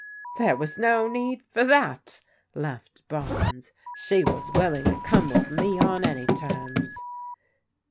" There was no need for that," laughed Barnes; " she was willing to come with me on any terms."